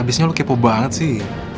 abisnya lu kepo banget sih